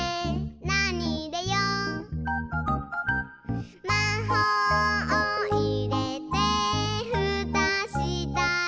「なにいれよう？」「まほうをいれてふたしたら」